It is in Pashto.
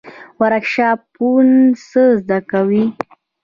ورکشاپونه څه زده کوي؟